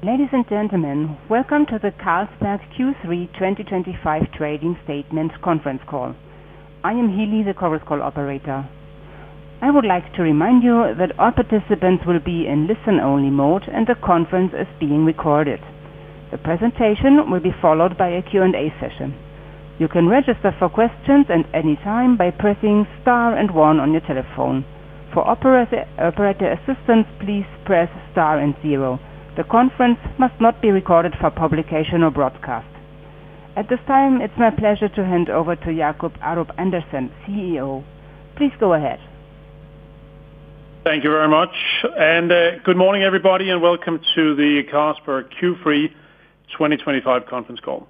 Ladies and gentlemen, welcome to the Carlsberg Group Q3 2025 trading statement conference call. I am Healy, the Chorus Call operator. I would like to remind you that all participants will be in listen-only mode and the conference is being recorded. The presentation will be followed by a Q&A session. You can register for questions at any time by pressing star and one on your telephone. For operator assistance, please press star and zero. The conference must not be recorded for publication or broadcast at this time. It's my pleasure to hand over to Jacob Aarup-Andersen, CEO. Please go ahead. Thank you very much and good morning everybody and welcome to the Carlsberg Group Q3 2025 conference call.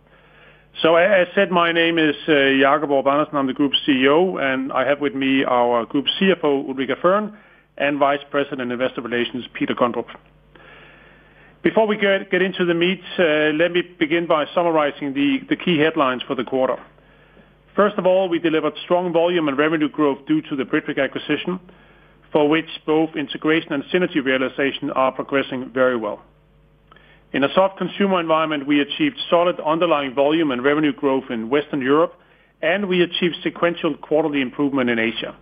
As said, my name is Jacob Aarup-Andersen, I'm the Group CEO and I have with me our Group CFO Ulrica Fearn and Vice President Investor Relations Peter Gundrup. Before we get into the meat, let me begin by summarizing the key headlines for the quarter. First of all, we delivered strong volume and revenue growth due to the Britvic acquisition for which both integration and synergy realization are progressing very well. In a soft consumer environment, we achieved solid underlying volume and revenue growth in Western Europe and we achieved sequential quarterly improvement in Asia.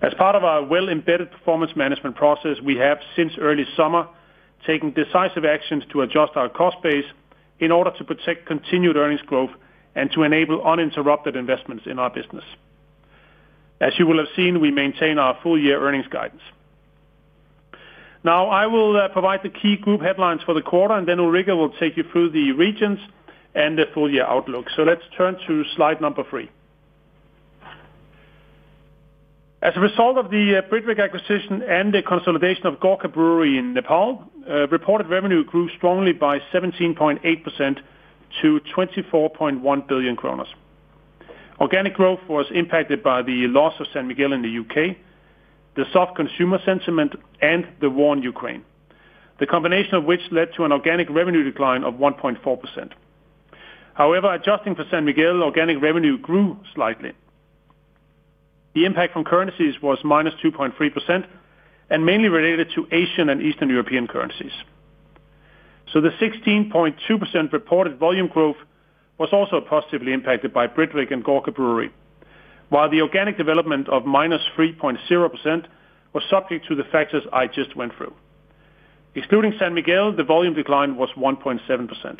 As part of our well-embedded performance management process, we have since early summer taken decisive actions to adjust our cost base in order to protect continued earnings growth and to enable uninterrupted investments in our business. As you will have seen, we maintain our full year earnings guidance. Now I will provide the key group headlines for the quarter and then Ulrica will take you through the regions and the full year outlook. Let's turn to slide number three. As a result of the Britvic acquisition and the consolidation of Gorkha Brewery in Nepal, reported revenue grew strongly by 17.8% to 24.1 billion kroner. Organic growth was impacted by the loss of San Miguel in the U.K., the soft consumer sentiment and the war in Ukraine, the combination of which led to an organic revenue decline of 1.4%. However, adjusting for San Miguel, organic revenue grew slightly. The impact from currencies was -2.3% and mainly related to Asian and Eastern European currencies. The 16.2% reported volume growth was also positively impacted by Britvic and Gorkha Brewery, while the organic development of -3.0% was subject to the factors I just went through. Excluding San Miguel, the volume decline was 1.7%.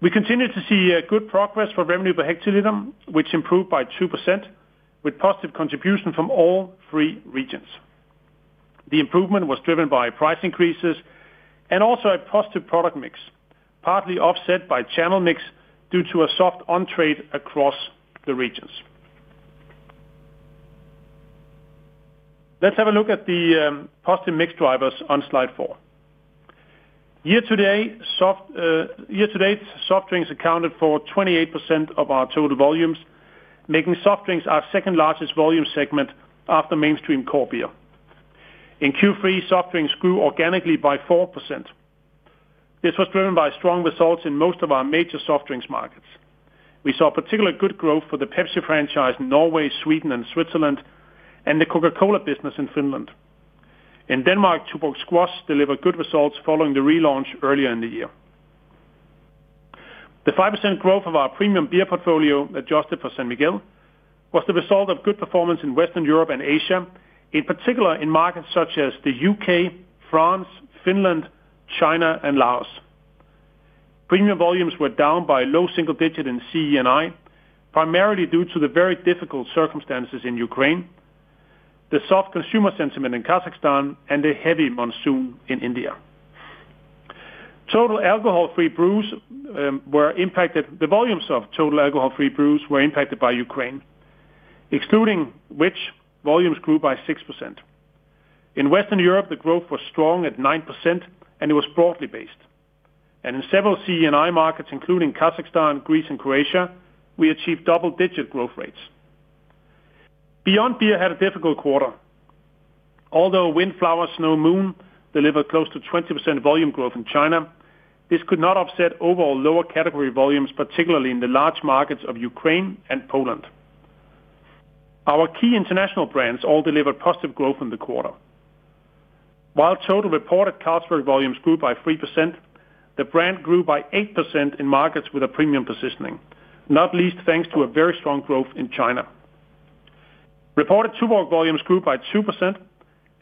We continue to see good progress for revenue per hectoliter which improved by 2% with positive contribution from all three regions. The improvement was driven by price increases and also a positive product mix, partly offset by channel mix due to a soft on-trade across the regions. Let's have a look at the positive mix drivers on slide 4. Year to date, soft drinks accounted for 28% of our total volumes, making soft drinks our second largest volume segment after mainstream core beer. In Q3, soft drinks grew organically by 4%. This was driven by strong results in most of our major soft drinks markets. We saw particularly good growth for the PepsiCo franchise in Norway, Sweden, and Switzerland and the Coca-Cola business in Finland. In Denmark, Tuborg Squash delivered good results following the relaunch earlier in the year. The 5% growth of our premium beer portfolio adjusted for San Miguel was the result of good performance in Western Europe and Asia, in particular in markets such as the U.K., France, Finland, China, and Laos. Premium volumes were down by low single digit in CEI primarily due to the very difficult circumstances in Ukraine, the soft consumer sentiment in Kazakhstan, and the heavy monsoon in India. Total alcohol-free brews were impacted. The volumes of total alcohol-free brews were impacted by Ukraine, excluding which volumes grew by 6%. In Western Europe, the growth was strong at 9% and it was broadly based, and in several CNI markets including Kazakhstan, Greece, and Croatia we achieved double-digit growth rates. Beyond Beer had a difficult quarter. Although Windflower Snow Moon delivered close to 20% volume growth in China, this could not offset overall lower category volumes, particularly in the large markets of Ukraine and Poland. Our key international brands all delivered positive growth in the quarter. While total reported Carlsberg volumes grew by 3%, the brand grew by 8% in markets with a premium positioning, not least thanks to a very strong growth in China. Reported Tuborg volumes grew by 2%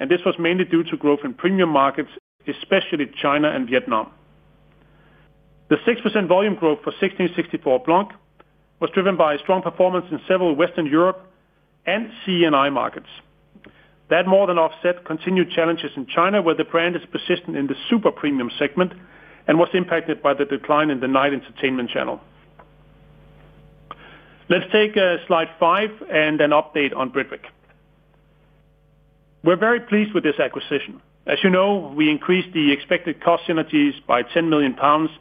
and this was mainly due to growth in premium markets, especially China and Vietnam. The 6% volume growth for Kronenbourg 1664 Blanc was driven by strong performance in several Western Europe and CNI markets. That more than offset continued challenges in China where the brand is positioned in the super premium segment and was impacted by the decline in the night entertainment channel. Let's take slide 5 and an update on Britvic. We're very pleased with this acquisition. As you know, we increased the expected cost synergies by 10 million pounds to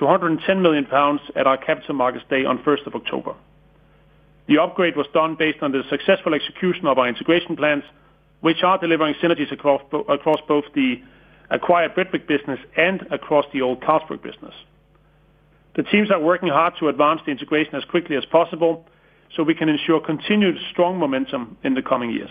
110 million pounds at our capital markets day on October 1, 2023. The upgrade was done based on the successful execution of our integration plans, which are delivering synergies across both the acquired Britvic business and across the old Carlsberg business. The teams are working hard to advance the integration as quickly as possible so we can ensure continued strong momentum in the coming years.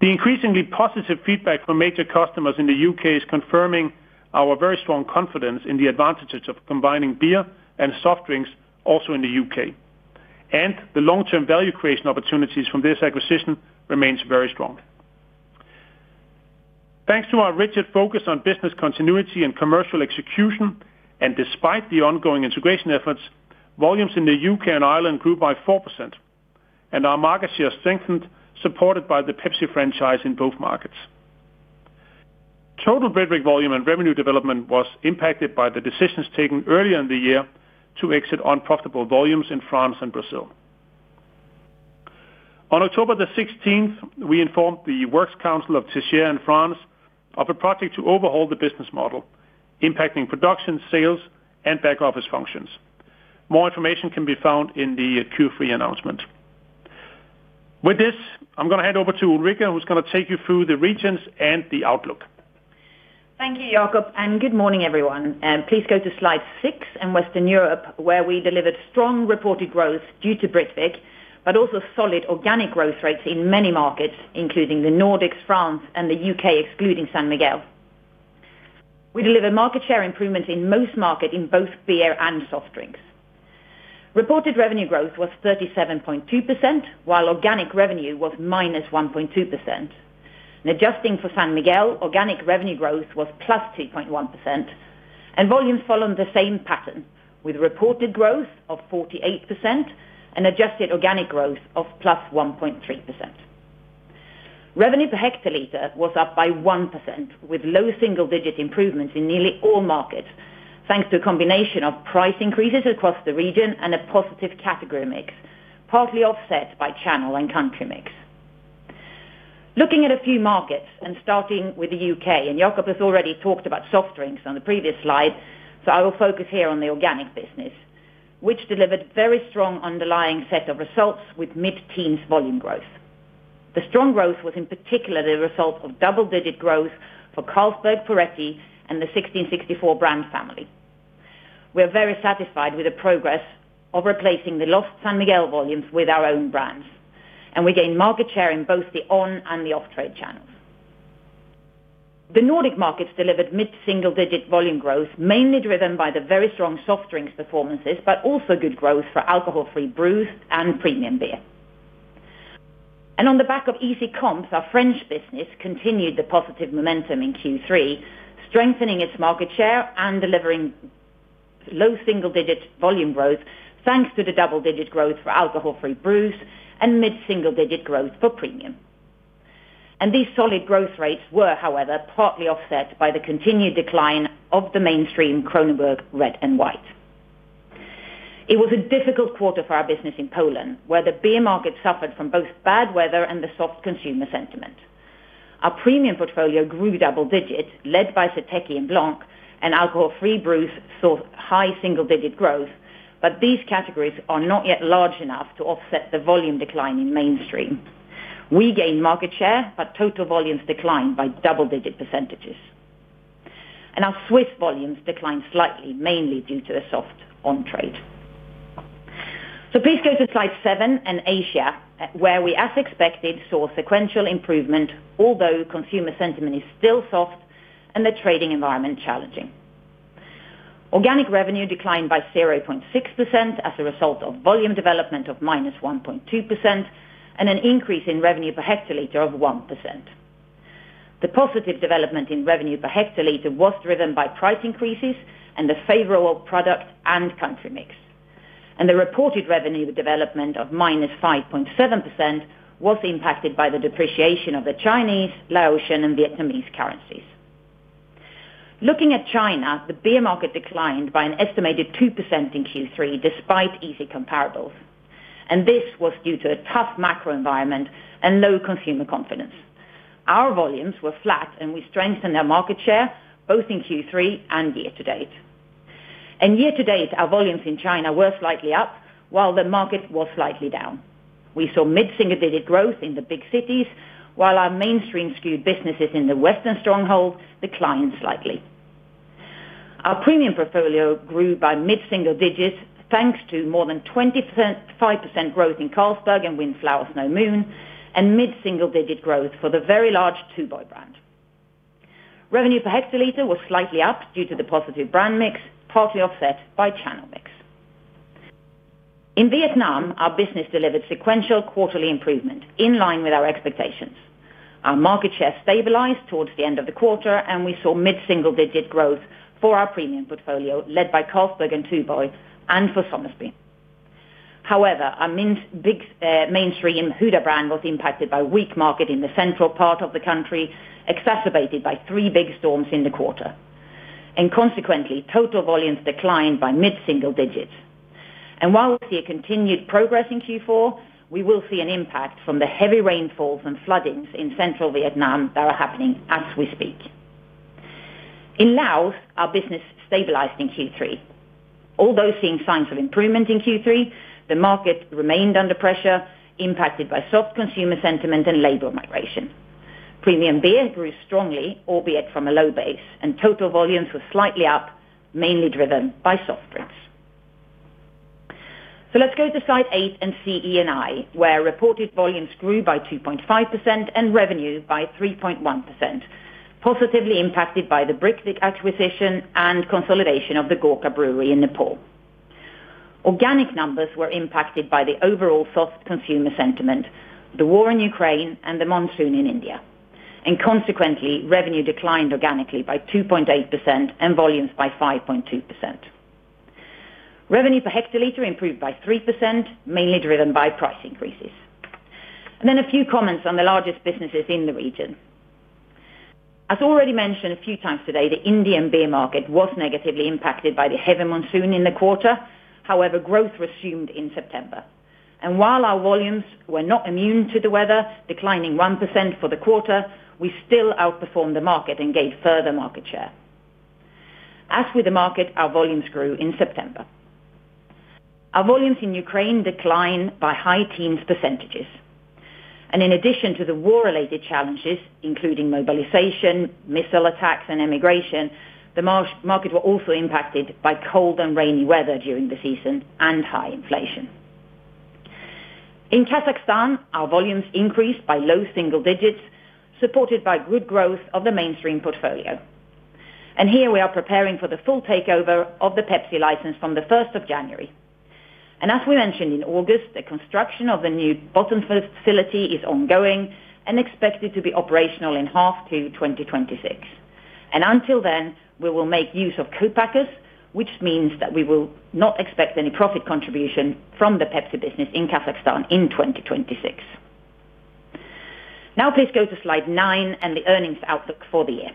The increasingly positive feedback from major customers in the U.K. is confirming our very strong confidence in the advantages of combining beer and soft drinks also in the U.K., and the long-term value creation opportunities from this acquisition remains very strong. Thanks to our rigid focus on business continuity and commercial execution, and despite the ongoing integration efforts, volumes in the U.K. and Ireland grew by 4% and our market share strengthened, supported by the PepsiCo franchise in both markets. Total Britvic volume and revenue development was impacted by the decisions taken earlier in the year to exit unprofitable volumes in France and Brazil. On October 16th, we informed the Works Council of Thicher in France of a project to overhaul the business model, impacting production, sales, and back office functions. More information can be found in the Q3 announcement. With this, I'm going to hand over to Ulrica, who's going to take you through the regions and the outlook. Thank you Jacob and good morning everyone. Please go to slide 6. In Western Europe, where we delivered strong reported growth due to Britvic but also solid organic growth rates in many markets including the Nordics, France, and the U.K. excluding San Miguel, we delivered market share improvement in most markets in both beer and soft drinks. Reported revenue growth was 37.2% while organic revenue was -1.2%. Adjusting for San Miguel, organic revenue growth was +2.1% and volumes followed the same pattern with reported growth of 48% and adjusted organic growth of +1.3%. Revenue per hectoliter was up by 1% with low single digit improvements in nearly all markets thanks to a combination of price increases across the region and a positive category mix, partly offset by channel and country mix. Looking at a few markets and starting with the U.K., and Jacob has already talked about soft drinks on the previous slide, so I will focus here on the organic business which delivered a very strong underlying set of results with mid-teens volume growth. The strong growth was in particular the result of double digit growth for Carlsberg, Ferretti, and the Kronenbourg 1664 brand family. We are very satisfied with the progress of replacing the lost San Miguel volumes with our own brands, and we gained market share in both the on-trade and the off-trade channels. The Nordic markets delivered mid single digit volume growth, mainly driven by the very strong soft drinks performances but also good growth for alcohol-free brews and premium beer. On the back of easy comps, our French business continued the positive momentum in Q3, strengthening its market share and delivering low single digit volume growth thanks to the double digit growth for alcohol-free brews and mid single digit growth for premium, and these solid growth rates were, however, partly offset by the continued decline of the mainstream Kronenbourg Red and White. It was a difficult quarter for our business in Poland, where the beer market suffered from both bad weather and the soft consumer sentiment. Our premium portfolio grew double digit, led by Seteki and Blanc, and alcohol-free brews saw high single digit growth, but these categories are not yet large enough to offset the volume decline in mainstream. We gained market share, but total volumes declined by double digit percentages, and our Swiss volumes declined slightly, mainly due to the soft on-trade. Please go to slide 7 and Asia, where we as expected saw sequential improvement, although consumer sentiment is still soft and the trading environment challenging. Organic revenue declined by 0.6% as a result of volume development of -1.2% and an increase in revenue per hectoliter of 1%. The positive development in revenue per hectoliter was driven by price increases and the favorable product and country mix, and the reported revenue development of -5.7% was impacted by the depreciation of the Chinese, Laotian, and Vietnamese currencies. Looking at China, the beer market declined by an estimated 2% in Q3 despite easy comparables, and this was due to a tough macro environment and low consumer confidence. Our volumes were flat, and we strengthened our market share both in Q3 and year to date, and year to date our volumes in China were slightly up while the market was slightly down. We saw mid single-digit growth in the big cities, while our mainstream-skewed businesses in the western stronghold declined slightly. Our premium portfolio grew by mid single digits thanks to more than 25% growth in Carlsberg and Windflower, Snow Moon, and mid single-digit growth for the very large Tuborg brand. Revenue per hectoliter was slightly up due to the positive brand mix, partly offset by channel mix. In Vietnam, our business delivered sequential quarterly improvement in line with our expectations. Our market share stabilized towards the end of the quarter, and we saw mid single-digit growth for our premium portfolio led by Carlsberg and Tuborg and for Somersby. However, our mainstream Huda brand was impacted by weak market in the central part of the country, exacerbated by three big storms in the quarter, and consequently total volumes declined by mid single digits. While we see continued progress in Q4, we will see an impact from the heavy rainfalls and floodings in central Vietnam that are happening as we speak. In Laos, our business stabilized in Q3. Although seeing signs of improvement in Q3, the market remained under pressure, impacted by soft consumer sentiment and labor migration. Premium beer grew strongly, albeit from a low base, and total volumes were slightly up, mainly driven by soft drinks. Let's go to slide 8 and see Eni, where reported volumes grew by 2.5% and revenue by 3.1%, positively impacted by the Britvic acquisition and consolidation of the Gorkha Brewery in Nepal. Organic numbers were impacted by the overall soft consumer sentiment, the war in Ukraine, and the monsoon in India, and consequently revenue declined organically by 2.8% and volumes by 5.2%. Revenue per hectolitre improved by 3%, mainly driven by price increases. A few comments on the largest businesses in the region: as already mentioned a few times today, the Indian beer market was negatively impacted by the heavy monsoon in the quarter. However, growth resumed in September, and while our volumes were not immune to the weather, declining 1% for the quarter, we still outperformed the market and gained further market share. As with the market, our volumes grew in September. Our volumes in Ukraine declined by high teens percentages, and in addition to the war-related challenges including mobilization, missile attacks, and emigration, the market was also impacted by cold and rainy weather during the season and high inflation. In Kazakhstan, our volumes increased by low single digits, supported by good growth of the mainstream portfolio. Here we are preparing for the full takeover of the PepsiCo license from the 1st of January, and as we mentioned in August, the construction of the new bottling facility is ongoing and expected to be operational in H2 2026. Until then, we will make use of co-packers, which means that we will not expect any profit contribution from the PepsiCo business in Kazakhstan in 2026. Now please go to slide 9 and the earnings outlook for the year.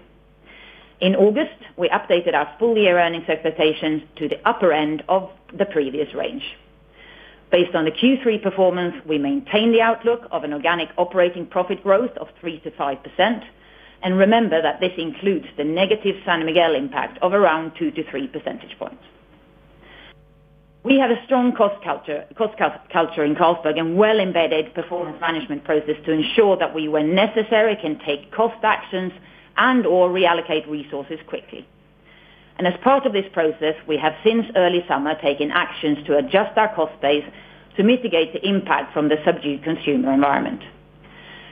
In August, we updated our full-year earnings expectations to the upper end of the previous range based on the Q3 performance. We maintain the outlook of an organic operating profit growth of 3.3%-5%, and remember that this includes the negative San Miguel impact of around 2-3 percentage points. We have a strong cost culture in Carlsberg Group and a well-embedded performance management process to ensure that we, when necessary, can take cost actions and/or reallocate resources quickly. As part of this process, we have since early summer taken actions to adjust our cost base to mitigate the impact from the subdued consumer environment,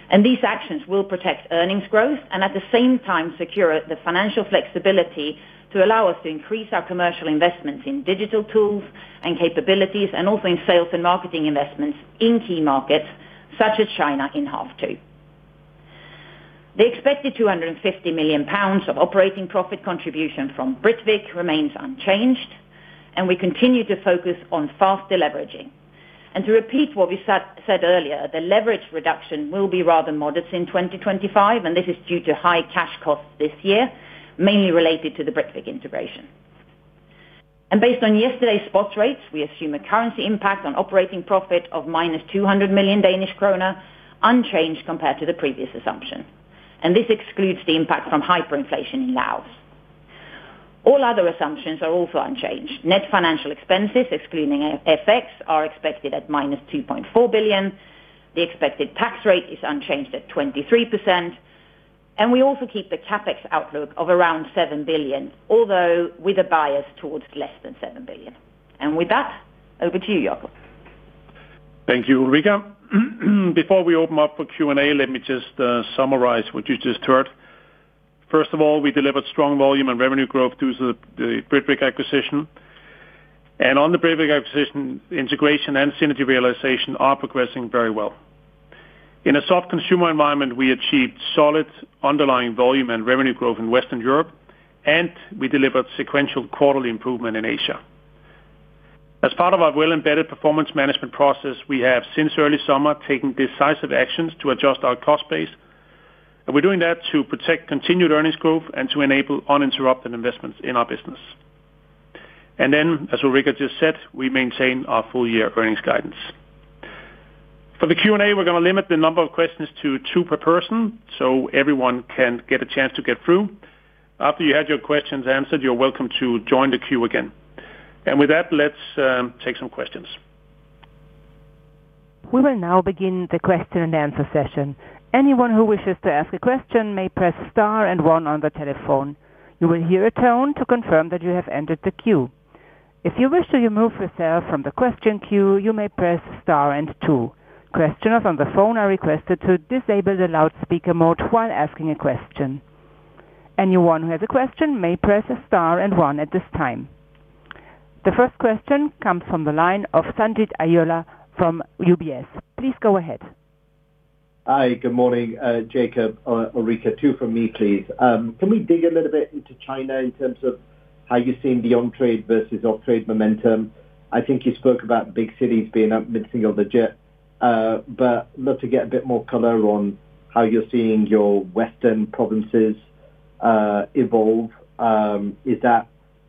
and these actions will protect earnings growth and at the same time secure the financial flexibility to allow us to increase our commercial investments in digital tools and capabilities and also in sales and marketing investments in key markets such as China. In half two, the expected 250 million pounds of operating profit contribution from Britvic remains unchanged, and we continue to focus on fast deleveraging. To repeat what we said earlier, the leverage reduction will be rather modest in 2025, and this is due to high cash costs this year, mainly related to the Britvic integration. Based on yesterday's spot rates, we assume a currency impact on operating profit of DKK- 200 million, unchanged compared to the previous assumption, and this excludes the impact from hyperinflation in Laos. All other assumptions are also unchanged. Net financial expenses excluding FX are expected at -2.4 billion. The expected tax rate is unchanged at 23%, and we also keep the CapEx outlook of around 7 billion, although with a bias towards less than 7 billion. With that, over to you, Jacob. Thank you, Ulrica. Before we open up for Q&A, let me just summarize what you just heard. First of all, we delivered strong volume and revenue growth due to the Britvic acquisition and on the Britvic acquisition. Integration and synergy realization are progressing very well in a soft consumer environment. We achieved solid underlying volume and revenue growth in Western Europe, and we delivered sequential quarterly improvement in Asia as part of our well-embedded performance management process. We have since early summer taken decisive actions to adjust our cost base, and we're doing that to protect continued earnings growth and to enable uninterrupted investments in our business. As Ulrica just said, we maintain our full-year earnings guidance. For the Q&A, we're going to limit the number of questions to two per person so everyone can get a chance to get through. After you have had your questions answered, you're welcome to join the queue again. With that, let's take some questions. We will now begin the question-and-answer session. Anyone who wishes to ask a question may press star and one. On the telephone, you will hear a tone to confirm that you have entered the queue. If you wish to remove yourself from the question queue, you may press star and two. Questioners on the phone are requested to disable the loudspeaker mode while asking a question. Anyone who has a question may press star and one at this time. The first question comes from the line of Sanjeet Aujla from UBS. Please go ahead. Hi, good morning. Jacob, Ulrica. Two from me please. Can we dig a little bit into China in terms of how you're seeing the on-trade versus off-trade momentum? I think you spoke about big cities being up mid single digit, but to get a bit more color on how you're seeing your western provinces evolve. Is that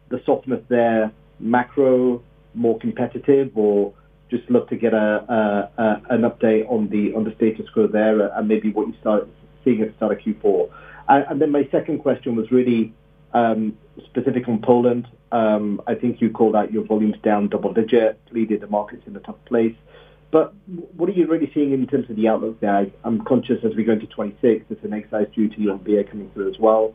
the softness there, macro more competitive, or just look to get an update on the status quo there and maybe what you start seeing at the start of Q4? My second question was really specific on Poland. I think you called out your volumes down double digit, leading the markets in the tough place. What are you really seeing in terms of the outlook there? I'm conscious as we go into 2026, it's an excise duty on beer coming through as well.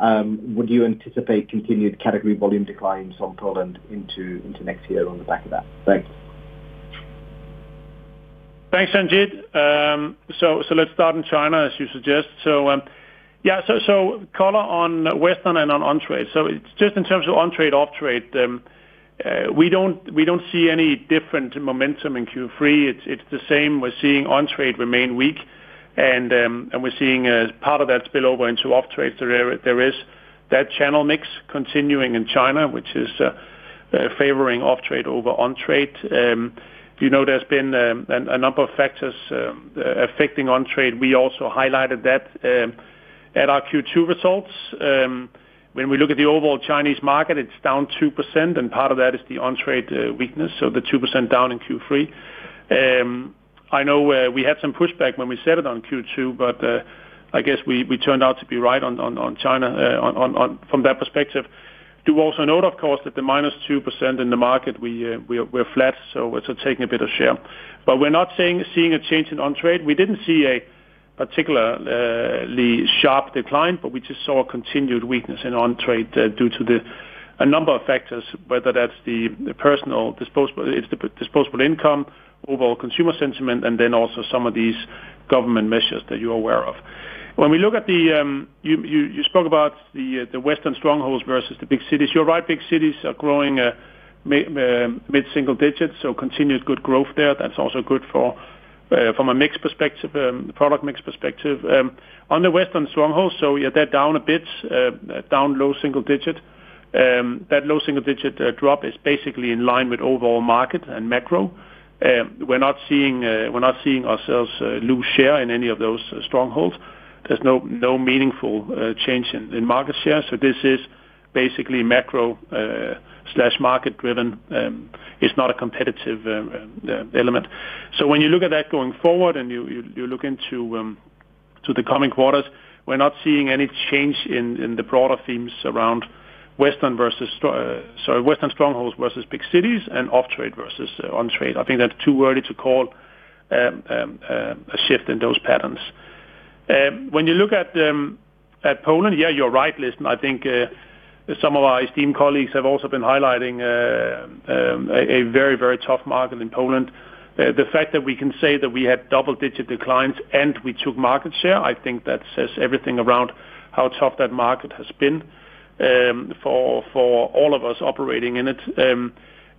Would you anticipate continued category volume declines on Poland into next year? On the back of that, thanks. Thanks, Sanjeet. Let's start in China as you suggest. Yes, color on Western and on-trade. In terms of on-trade, off-trade, we don't see any different momentum in Q3. It's the same. We're seeing on-trade remain weak and we're seeing part of that spill over into off-trade. There is that channel mix continuing in China which is favoring off-trade over on-trade. There have been a number of factors affecting on-trade. We also highlighted that at our Q2 results. When we look at the overall Chinese market, it's down 2% and part of that is the on-trade weakness. The 2% down in Q3, I know we had some pushback when we said it on Q2, but I guess we turned out to be right on China from that perspective. Do also note, of course, that the -2% in the market, we're flat, so it's taking a bit of share. We're not seeing a change in on-trade. We didn't see a particularly sharp decline, but we just saw a continued weakness in on-trade due to a number of factors, whether that's the personal disposable income, overall consumer sentiment, and then also some of these government measures that you're aware of. You spoke about the Western strongholds versus the big cities. You're right, big cities are growing mid-single digits, so continued good growth there. That's also good from a mix perspective, product mix perspective. On the Western strongholds, they're down a bit, down low single digit. That low single digit drop is basically in line with overall market and macro. We're not seeing ourselves lose share in any of those strongholds. There's no meaningful change in market share. This is basically macro market driven; it is not a competitive element. When you look at that going forward and you look into the coming quarters, we're not seeing any change in the broader themes around Western strongholds versus big cities and off-trade versus on-trade. I think it's too early to call a shift in those patterns. When you look at Poland, yes, you're right. I think some of our esteemed colleagues have also been highlighting a very, very tough market in Poland. The fact that we can say that we had double-digit declines and we took market share, I think that says everything around how tough that market has been for all of us operating in it.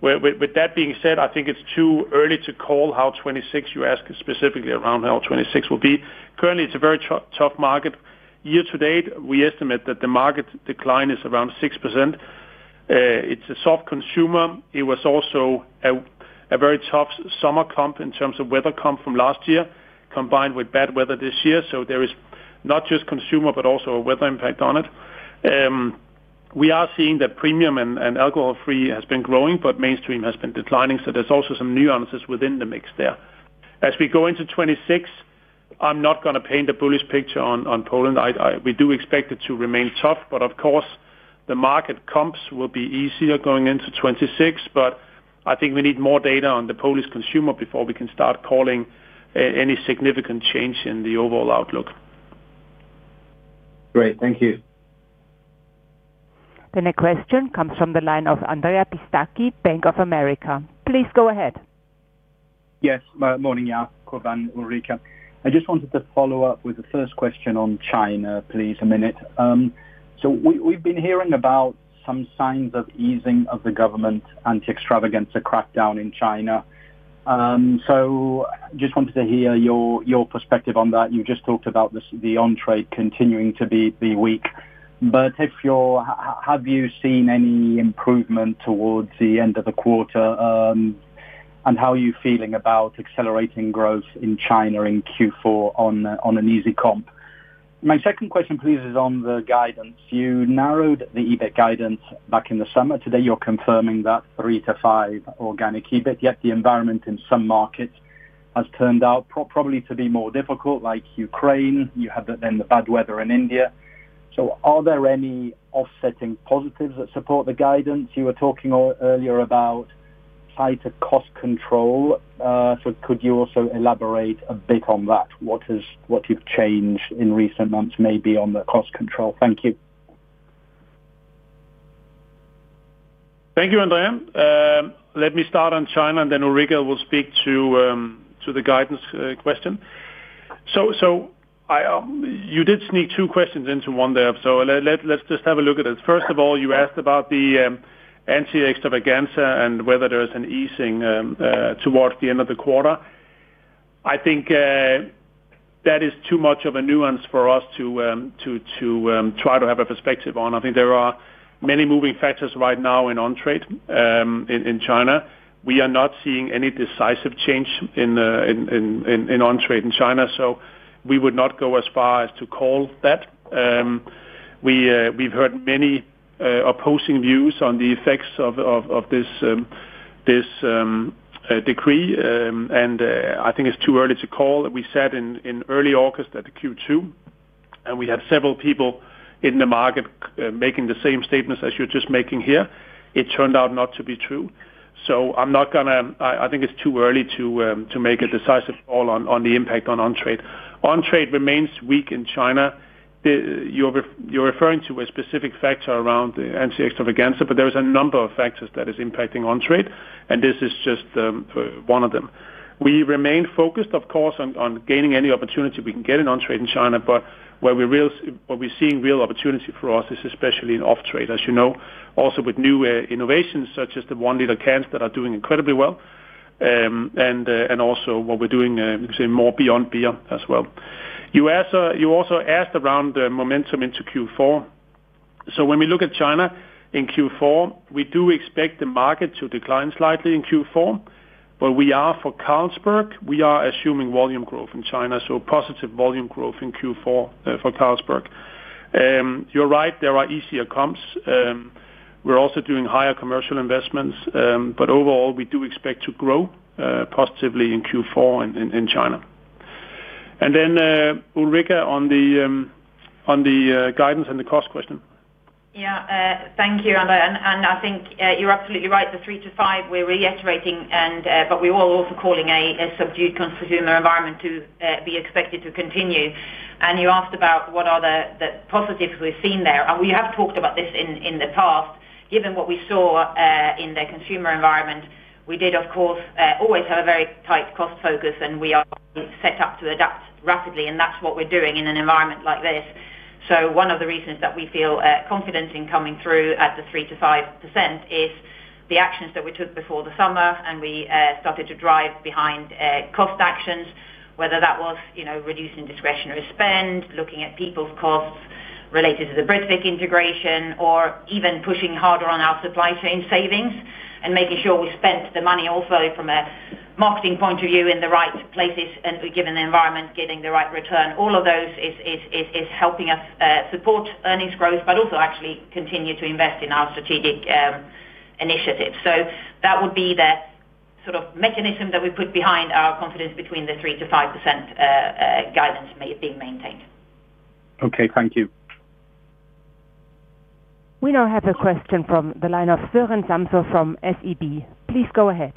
With that being said, I think it's too early to call how 2026. You ask specifically around how 2026 will be currently. It's a very tough market. Year to date, we estimate that the market decline is around 6%. It's a soft consumer. It was also a very tough summer comp in terms of weather comp from last year, combined with bad weather this year. There is not just consumer but also a weather impact on it. We are seeing that premium and alcohol-free has been growing, but mainstream has been declining. There's also some nuances within the mix there. As we go into 2026, I'm not going to paint a bullish picture on Poland. We do expect it to remain tough. Of course, the market comps will be easier going into 2026. I think we need more data on the Polish consumer before we can start calling any significant change in the overall outlook. Great, thank you. The question comes from the line of Andrea Pistacchi, Bank of America. Please go ahead. Yes, morning Jacob Aarup-Andersen, Ulrica Fearn, I just wanted to follow up with the first question on China please a minute. We've been hearing about some signs of easing of the government anti-extravagance crackdown in China. I just wanted to hear your perspective on that. You just talked about the on-trade continuing to be weak. Have you seen any improvement towards the end of the quarter, and how are you feeling about accelerating growth in China in Q4 on an easy comp? My second question is on the guidance. You narrowed the EBIT guidance back in the summer. Today you're confirming that 3%-5% organic EBIT. Yet the environment in some markets has turned out probably to be more difficult, like Ukraine. You have the bad weather in India. Are there any offsetting positives that support the guidance? You were talking earlier about tighter cost control. Could you also elaborate a bit on that, what you've changed in recent months maybe on the cost control? Thank you. Thank you, Andrea. Let me start on China and then Ulrica will speak to the guidance question. You did sneak two questions into one there. Let's just have a look at it. First of all, you asked about the anti-extravaganza and whether there is an easing towards the end of the quarter. I think that is too much of a nuance for us to try to have a perspective on. There are many moving factors right now in on-trade in China. We are not seeing any decisive change in on-trade in China, so we would not go as far as to call that. We've heard many opposing views on the effects of this decree and I think it's too early to call. We said in early August at Q2 and we had several people in the market making the same statements as you're just making here. It turned out not to be true. I think it's too early to make a decisive call on the impact on on-trade. On-trade remains weak in China. You're referring to a specific factor around anti-extravaganza, but there are a number of factors that are impacting on-trade and this is just one of them. We remain focused, of course, on gaining any opportunity we can get in on-trade in China. What we're seeing real opportunity for us is especially in off-trade, as you know, also with new innovations such as the one liter cans that are doing incredibly well, and also what we're doing more beyond beer as well. You also asked around momentum into Q4. When we look at China in Q4, we do expect the market to decline slightly in Q4, but for Carlsberg, we are assuming volume growth in China. Positive volume growth in Q4 for Carlsberg. You're right, there are easier comps. We're also doing higher commercial investments, but overall we do expect to grow positively in Q4 in China. Ulrica, on the guidance and the cost question. Yes, thank you, Andrea. I think you're absolutely right. The 3%-5% we're reiterating, but we are also calling a subdued consumer environment to be expected to continue. You asked about what are the positives we've seen there and we have talked about this in the past, given what we saw in the consumer environment. We did of course always have a very tight cost focus and we are set up to adapt rapidly and that's what we're doing in an environment like this. One of the reasons that we feel confident in coming through at the 3%-5% is the actions that we took before the summer and we started to drive behind cost actions, whether that was reducing discretionary spend, looking at people's costs related to the Britvic integration or even pushing harder on our supply chain savings and making sure we spent the money also from a marketing point of view in the right places and given the environment, getting the right return, all of those is helping us support earnings growth but also actually continue to invest in our strategic initiatives. That would be the sort of mechanism that we put behind our confidence between the 3%-5% guidance being maintained. Okay, thank you. We now have a question from the line of Søren Samsøe SEB. Please go ahead.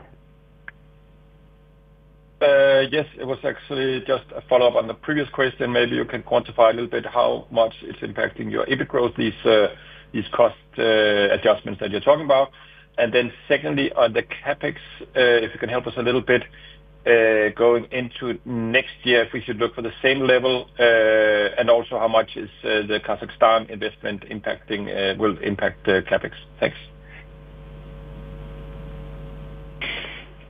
Yes, it was actually just a follow-up on the previous question. Maybe you can quantify a little bit how much it's impacting your EBIT growth, these cost adjustments that you're talking about. Secondly, on the capex, if you can help us a little bit going into next year if we should look for the same level and also how much is the Kazakhstan investment impacting, will impact capex?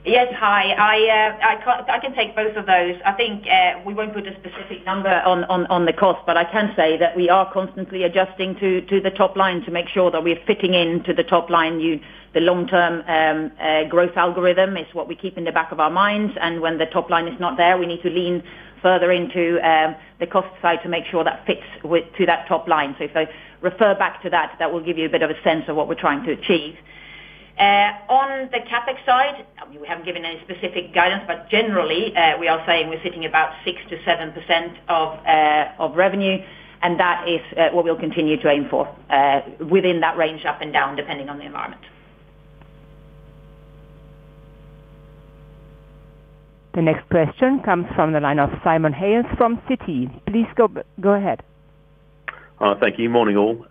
Yes, hi, I can take both of those. I think we won't put a specific. I can say that we are constantly adjusting to the top line to make sure that we are fitting in to the top line. The long term growth algorithm is what we keep in the back of our minds, and when the top line is not there, we need to lean further into the cost side to make sure that fits to that top line. If I refer back to that, that will give you a bit of a sense of what we're trying to achieve. On the CapEx side, we haven't given any specific guidance, but generally we are saying we're sitting about 6%-7% of revenue and that. Is what we'll continue to aim for within that range, up and down depending on the environment. The next question comes from the line of Simon Hales from Citi. Please go ahead. Thank you. Morning all.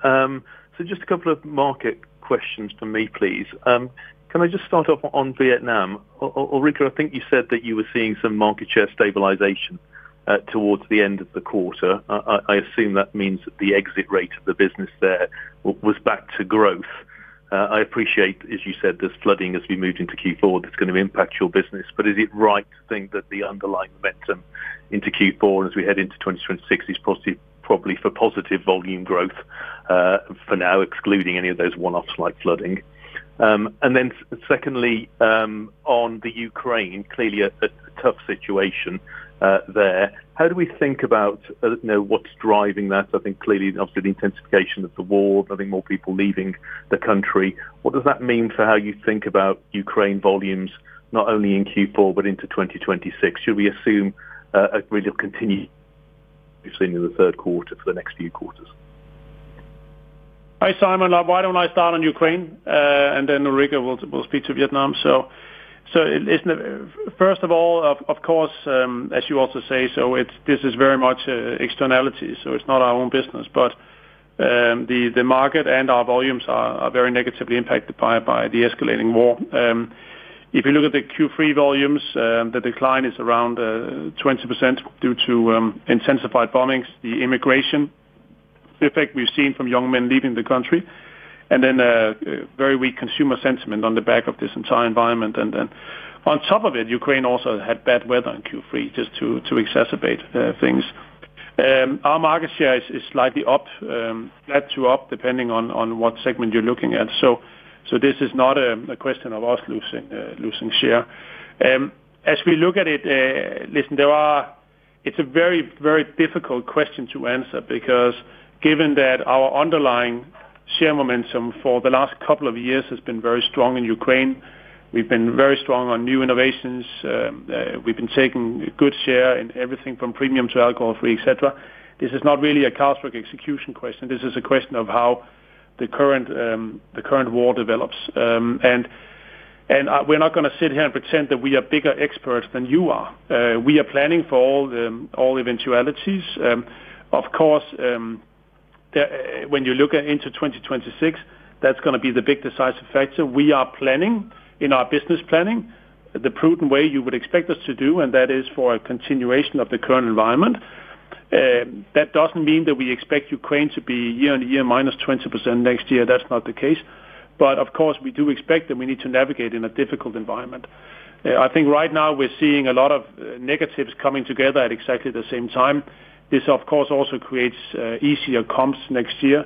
Just a couple of market questions for me please. Can I start off on Vietnam? Ulrica, I think you said that you were seeing some market share stabilization towards the end of the quarter. I assume that means that the exit rate of the business there was back to growth. I appreciate, as you said, this flooding as we move into Q4 is going to impact your business. Is it right to think that the underlying momentum into Q4 and as we head into 2026 is probably for positive volume growth for now, excluding any of those one-offs like flooding? Secondly, on Ukraine, clearly a tough situation there. How do we think about what's driving that? I think, obviously, the intensification of the war. I think more people leaving the country. What does that mean for how you think about Ukraine volumes, not only in Q4 but into 2026? Should we assume really continue the third quarter for the next few quarters? Hi Simon, why don't I start on Ukraine and then Riga will speak to Vietnam. First of all, of course, as you also say, this is very much externality. It's not our own business, but the market and our volumes are very negatively impacted by the escalating war. If you look at the Q3 volumes, the decline is around 20% due to intensified bombings, the immigration effect we've seen from young men leaving the country, and then very weak consumer sentiment on the back of this entire environment. On top of it, Ukraine also had bad weather in Q3. Just to exacerbate things, our market share is slightly up, flat to up, depending on what segment you're looking at. This is not a question of us losing share as we look at it. It's a very, very difficult question to answer because given that our underlying share momentum for the last couple of years has been very strong in Ukraine, we've been very strong on new innovations, we've been taking good share in everything from premium to alcohol free, et cetera. This is not really a Carlsberg execution question. This is a question of how the current war develops. We're not going to sit here and pretend that we are bigger experts than you are. We are planning for all eventualities. Of course, when you look into 2026, that's going to be the big decisive factor. We are planning in our business planning the prudent way you would expect us to do. That is for a continuation of the current environment. That doesn't mean that we expect Ukraine to be year on year -20% next year. That's not the case. Of course, we do expect that we need to navigate in a difficult environment. I think right now we're seeing a lot of negatives coming together at exactly the same time. This of course also creates easier comps next year.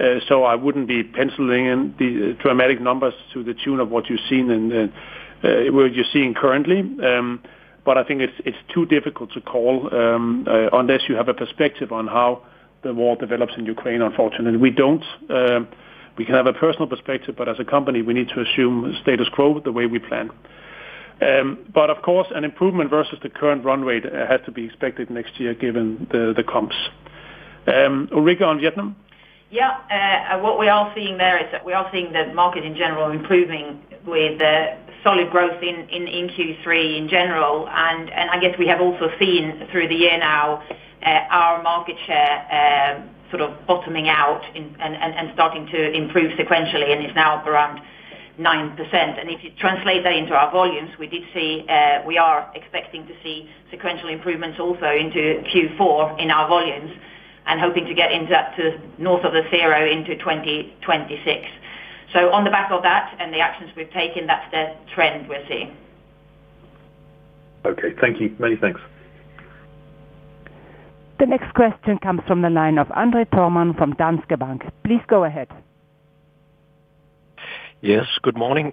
I wouldn't be penciling in the dramatic numbers to the tune of what you've seen and what you're seeing currently. I think it's too difficult to call unless you have a perspective on how the war develops in Ukraine. Unfortunately, we don't. We can have a personal perspective, but as a company we need to assume status quo the way we plan. Of course, an improvement versus the current run rate has to be expected next year given the comps. Ulrica on Vietnam. Yes, what we are seeing there is that we are seeing the market in general improving with solid growth in Q3 in general. I guess we have also seen through the year now our market share sort of bottoming out and starting to improve sequentially and is now up around 9%. If you translate that into our volumes, we did see, we are excited, expecting to see sequential improvements also into Q4 in our volumes and hoping to get north of the 0 into 2026. On the back of that and the actions we've taken, that's the trend we're seeing. Okay, thank you. Many thanks. The next question comes from the line of Andre Thormann from Danske Bank. Please go ahead. Yes, good morning.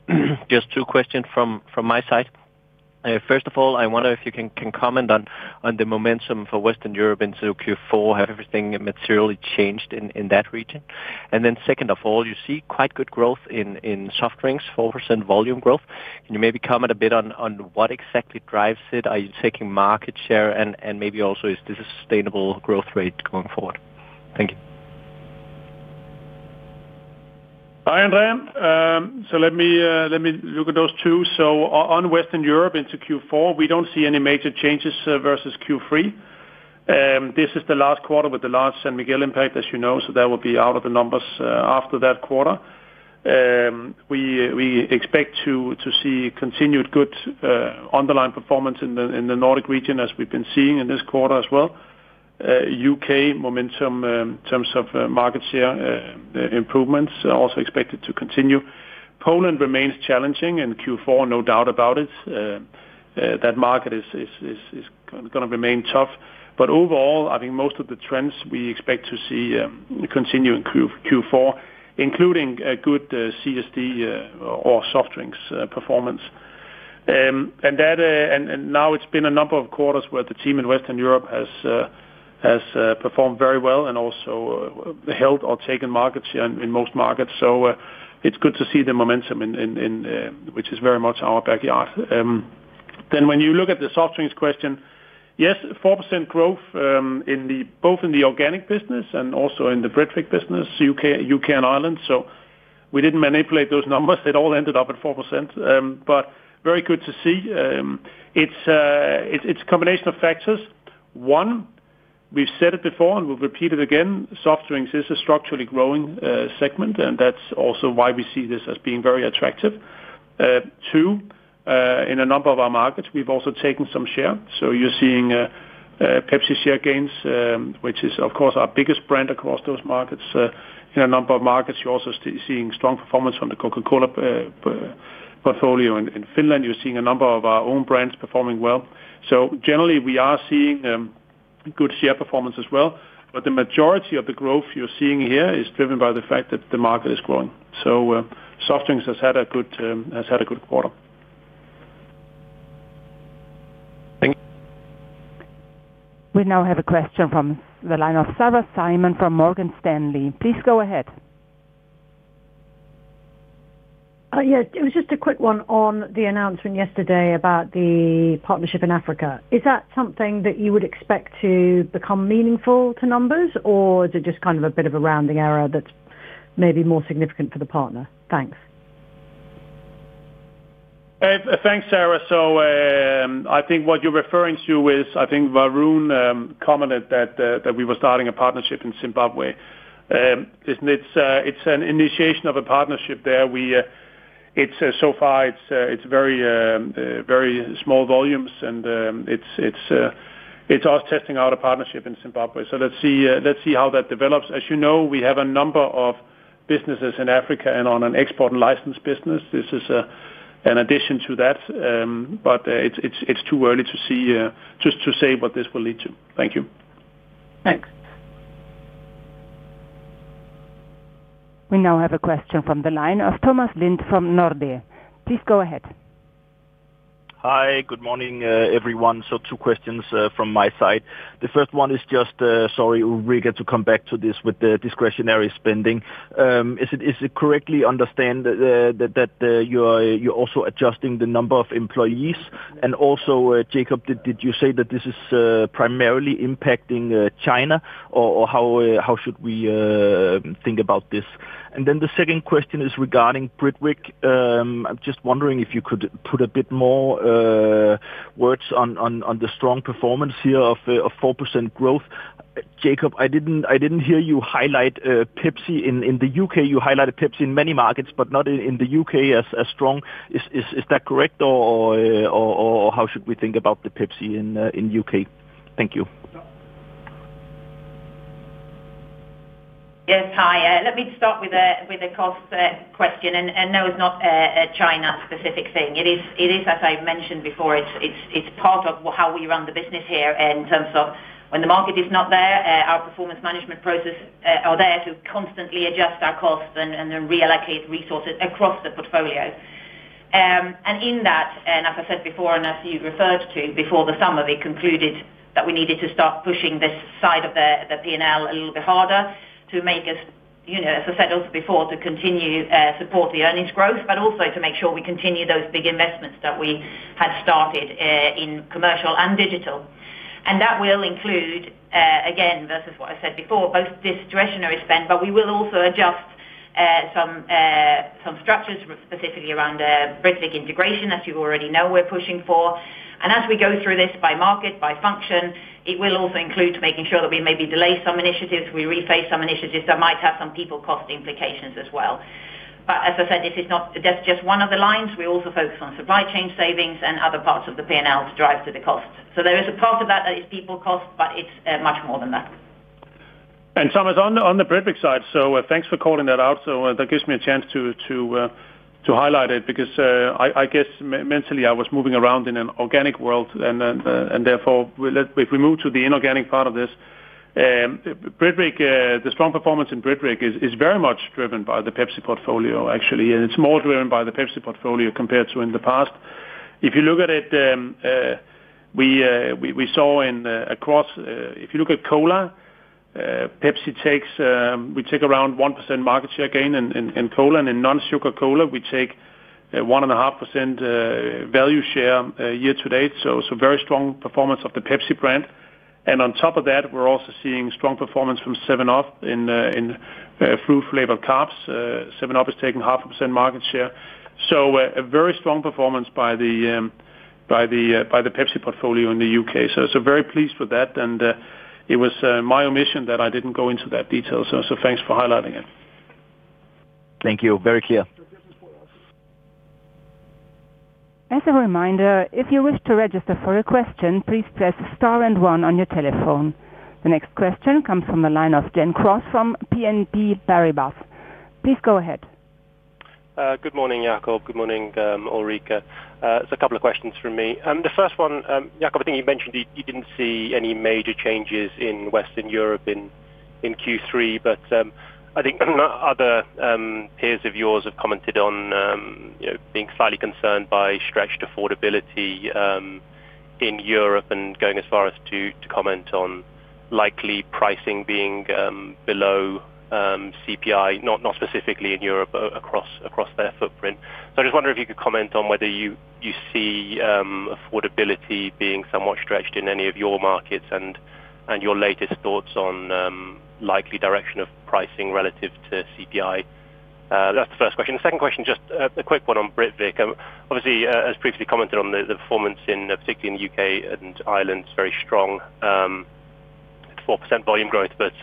Just two questions from my side. First of all, I wonder if you can comment on the momentum for Western Europe into Q4. Has everything materially changed in that region? Second of all, you see quite good growth in soft drinks, 4% volume growth. Can you maybe comment a bit on what exactly drives it? Are you taking market share and maybe. Also, is this a sustainable growth rate going forward? Thank you. Hi Andrea. Let me look at those two. On Western Europe into Q4, we don't see any major changes versus Q3. This is the last quarter with the large San Miguel impact, as you know. That will be out of the numbers after that quarter. We expect to see continued good underlying performance in the Nordics, as we've been seeing in this quarter as well. U.K. momentum in terms of market share improvements is also expected to continue. Poland remains challenging in Q4, no doubt about it. That market is going to remain tough. Overall, I think most of the trends we expect to see continue in Q4, including good CSD or soft drinks performance. Now it's been a number of quarters where the team in Western Europe has performed very well and also held or taken market share in most markets. It's good to see the momentum, which is very much our backyard. When you look at the soft drinks question, yes, 4% growth both in the organic business and also in the Britvic business, U.K. and Ireland. We didn't manipulate those numbers. It all ended up at 4%, but very good to see. It's a combination of factors. One, we've said it before and we'll repeat it again. Soft drinks is a structurally growing segment, and that's also why we see this as being very attractive. Two, in a number of our markets, we've also taken some share. You're seeing PepsiCo share gains, which is of course our biggest brand across those markets. In a number of markets, you're also seeing strong performance from the Coca-Cola portfolio. In Finland, you're seeing a number of our own brands performing well. Generally, we are seeing good share performance as well. The majority of the growth you're seeing here is driven by the fact that the market is growing. Soft drinks has had a good quarter. Thank you. We now have a question from the line of Sarah Simon from Morgan Stanley. Please go ahead. Yes, it was just a quick one on the announcement yesterday about the partnership in Africa. Is that something that you would expect to become meaningful to numbers, or is it just kind of a bit of a rounding error that's maybe more significant for the partner? Thanks. Thanks, Sarah. I think what you're referring to is Varun commented that we were starting a partnership in Zimbabwe. It's an initiation of a partnership there. So far it's very small volumes and it's us testing out a partnership in Zimbabwe. Let's see how that develops. As you know, we have a number of businesses in Africa and on an export and license business, this is an addition to that. It's too early to say what this will lead to. Thank you. Thanks. We now have a question from the line of Thomas Lind from Nordea. Please go ahead. Hi, good morning everyone. Two questions from my side. The first one is, sorry, Riga, to come back to this with the discretionary spending, is it correct to understand that you're also adjusting the number of employees and also Jacob, did you say that this is primarily impacting China or how should we think about this? The second question is regarding Britvic. I'm just wondering if you could put a bit more words on the strong performance here of 4% growth. Jacob, I didn't hear you highlight Pepsi in the U.K.. You highlighted Pepsi in many markets but not in the U.K. as strong. Is that correct or how should we think about the Pepsi in the U.K.? Thank you. Yes. Hi. Let me start with a cost question and no, it's not a China specific thing. It is, as I mentioned before, it's part of how we run the business here in terms of when the market is not there, our performance management processes are there to constantly adjust our costs and then reallocate resources across the portfolio. In that, and as I said before and as you referred to before the summer, we concluded that we needed to start pushing this side of the P&L a little bit harder to make us, as I said before, continue to support the earnings growth but also to make sure we continue those big investments that we had started in commercial and digital. That will include again, versus what I said before, both this discretionary spend. We will also adjust some structures specifically around Britvic integration as you already know we're pushing for. As we go through this by market, by function, it will also include making sure that we maybe delay some initiatives, we rephase some initiatives that might have some people cost implications as well. As I said, this is not just one of the lines. We also focus on supply chain savings and other parts of the P&L to drive to the cost. There is a part of that that is people cost, but it's much more than that. Thomas, on the Britvic side, thanks for calling that out. That gives me a chance to highlight it because I guess mentally I was moving around in an organic world, and therefore if we move to the inorganic part of this, the strong performance in Britvic is very much driven by the Pepsi portfolio actually, and it's more driven by the Pepsi portfolio compared to in the past. If you look at it, we saw across, if you look at cola, Pepsi takes, we take around 1% market share gain in cola, and in non-sugar cola we take 1.5% value share year to date. Very strong performance of the Pepsi brand. On top of that, we're also seeing strong performance from 7Up in fruit-flavored carbs. 7Up is taking 0.5% market share. Very strong performance by the Pepsi portfolio in the U.K.. Very pleased with that. It was my omission that I didn't go into that detail. Thanks for highlighting it. Thank you. Very clear. As a reminder, if you wish to register for a question, please press star and one on your telephone. The next question comes from the line of Gen Cross from BNP Paribas. Please go ahead. Good morning Jacob. Good morning Ulrica. There's a couple of questions from me. The first one, Jacob, I think you mentioned you didn't see any major changes in Western Europe in Q3, but I think other peers of yours have commented on being slightly concerned by stretched affordability in Europe and going as far as to comment on likely pricing being below CPI, not specifically in Europe across their footprint. I just wonder if you could comment on whether you see affordability being somewhat stretched in any of your markets and your latest thoughts on likely direction of pricing relative to CPI. That's the first question. Second question, just a quick one on Britvic. Obviously, as previously commented on the performance in particular in the U.K. and Ireland, very strong 4% volume growth but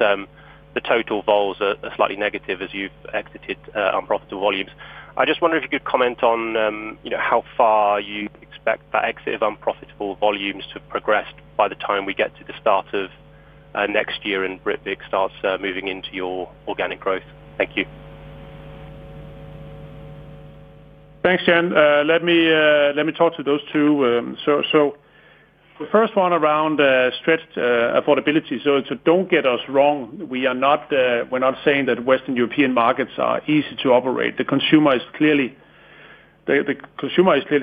the total vols are slightly negative as you've exited unprofitable volumes. I just wonder if you could comment on how far you expect that exit of unprofitable volumes to progress by the time we get to the start of next year and Britvic starts moving into your organic growth. Thank you. Thanks Gen. Let me talk to those two. The first one around stretched affordability. Don't get us wrong, we're not saying that Western European markets are easy to operate. The consumer is clearly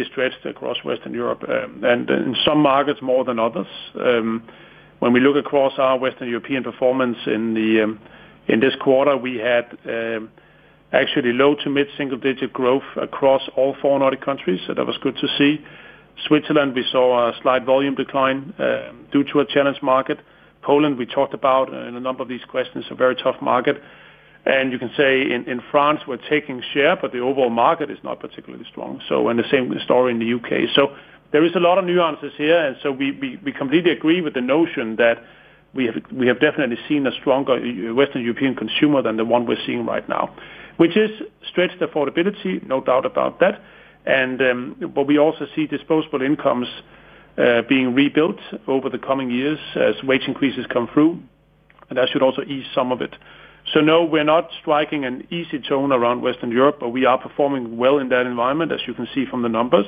stretched across Western Europe and in some markets more than others. When we look across our Western European performance in this quarter, we had actually low to mid single digit growth across all four Nordic countries. That was good to see. In Switzerland, we saw a slight volume decline due to a challenged market. Poland, we talked about in a number of these questions, is a very tough market. You can say in France we're taking share, but the overall market is not particularly strong. The same story in the U.K.. There is a lot of nuance here. We completely agree with the notion that we have definitely seen a stronger Western European consumer than the one we're seeing right now, which is stretched affordability, no doubt about that. We also see disposable incomes being rebuilt over the coming years as wage increases come through, and that should also ease some of it. No, we're not striking an easy tone around Western Europe, but we are performing well in that environment as you can see from the numbers.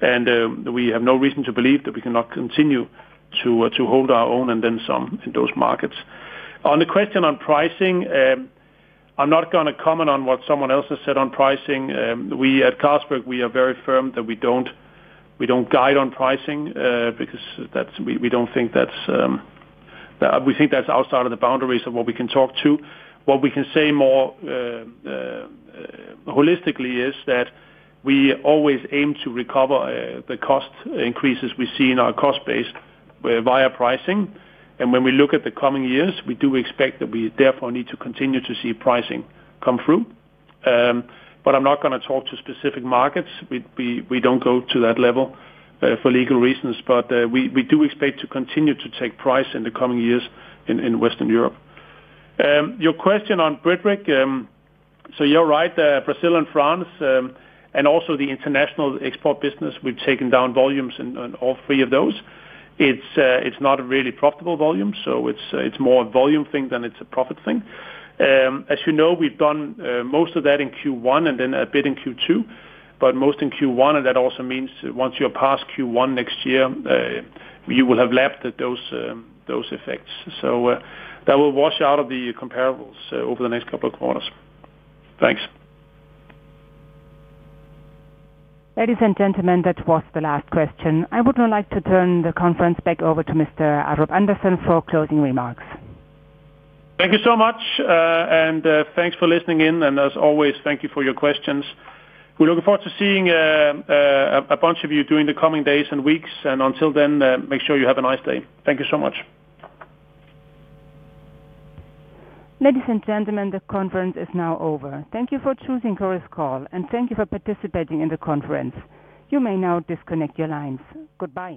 We have no reason to believe that we cannot continue to hold our own and then some in those markets. On the question on pricing, I'm not going to comment on what someone else has said on pricing. We at Carlsberg Group are very firm that we don't guide on pricing because we think that's outside of the boundaries of what we can talk to. What we can say more holistically is that we always aim to recover the cost increases we see in our cost base via pricing. When we look at the coming years, we do expect that we therefore need to continue to see pricing come through. I'm not going to talk to specific markets. We don't go to that level for legal reasons, but we do expect to continue to take price in the coming years in Western Europe. Your question on Britvic. You're right. Brazil and France and also the international export business, we've taken down volumes in all three of those. It's not a really profitable volume. It's more a volume thing than it's a profit thing. As you know, we've done most of that in Q1 and then a bit in Q2, but most in Q1. That also means once you're past Q1 next year, you will have lapped those effects. That will wash out of the comparables over the next couple of quarters. Thanks. Ladies and gentlemen, that was the last question. I would now like to turn the conference back over to Mr. Jacob Aarup-Andersen for closing remarks. Thank you so much and thanks for listening in. As always, thank you for your questions. We look forward to seeing a bunch of you during the coming days and weeks. Until then, make sure you have a nice day. Thank you so much. Ladies and gentlemen, the conference is now over. Thank you for choosing Chorus Call and thank you for participating in the conference. You may now disconnect your lines. Goodbye.